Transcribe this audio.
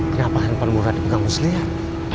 kenapa handphone murad dipegang muslihat